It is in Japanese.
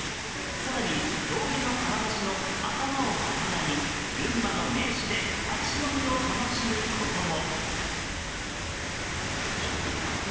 更に、峠の釜めしのアタマをさかなに、群馬の名酒で立ち飲みを楽しむことも。